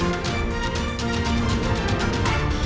terima kasih bang rufindis